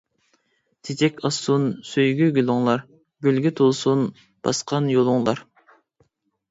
چېچەك ئاچسۇن سۆيگۈ گۈلۈڭلار، گۈلگە تولسۇن باسقان يولۇڭلار.